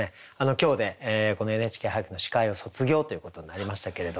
今日でこの「ＮＨＫ俳句」の司会を卒業ということになりましたけれども。